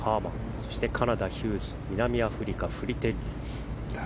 そしてカナダ、ヒューズ南アフリカ、フリテリ。